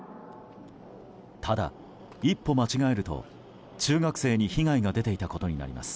ただ、一歩間違えると中学生に被害が出ていたことになります。